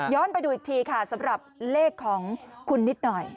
ไปดูอีกทีค่ะสำหรับเลขของคุณนิดหน่อย